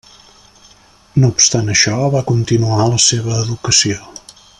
No obstant això, va continuar la seva educació.